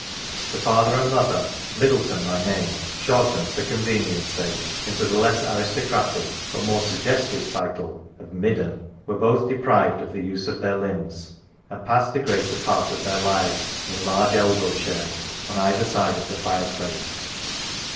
The father and mother, Middleton by name, shortened for convenience sake into the less aristocratic but more suggestive title of " Midden," 1 were both deprived of the use of their limbs, and passed the greater part of their lives in large elbow chairs on either side of the fireplace.